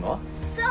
そう！